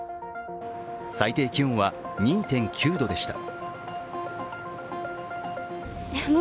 最低気温は２．９度でした。